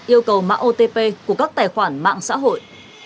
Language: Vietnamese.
yêu cầu mạng otp của các tài khoản mạng xã hội